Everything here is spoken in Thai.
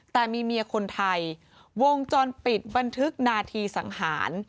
แต่มีเมียคนไทยวงจรปิดบันทึกนาทีสังหาร